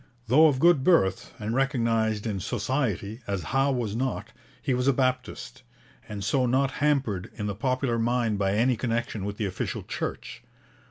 Though of good birth, and recognized in Society as Howe was not, he was a Baptist, and so not hampered in the popular mind by any connection with the official Church.